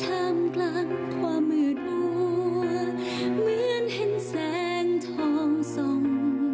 ธามกลับความเหมือนกลัวเหมือนเห็นแสงท่องศ่อง